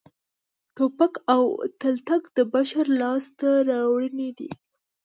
ټوپک او تلتک د بشر لاسته راوړنې دي